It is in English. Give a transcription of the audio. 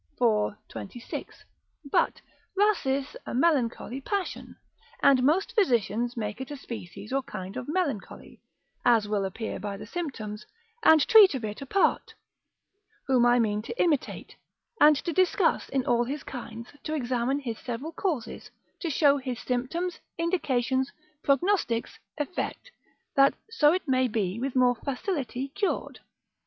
iv. 26. But Rhasis a melancholy passion: and most physicians make it a species or kind of melancholy (as will appear by the symptoms), and treat of it apart; whom I mean to imitate, and to discuss it in all his kinds, to examine his several causes, to show his symptoms, indications, prognostics, effect, that so it may be with more facility cured.